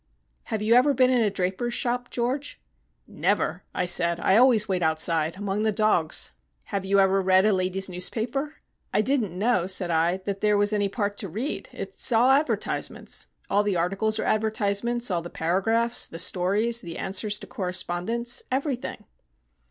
Have you ever been in a draper's shop, George?" "Never," I said: "I always wait outside among the dogs." "Have you ever read a ladies' newspaper?" "I didn't know," said I, "that there was any part to read. It's all advertisements; all the articles are advertisements, all the paragraphs, the stories, the answers to correspondents everything."